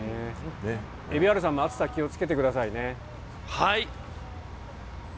蛯原さんも暑さ気をつけてくはい。